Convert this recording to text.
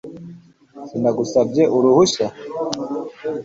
Sinagusabye uruhushya